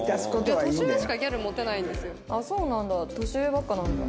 そうなんだ。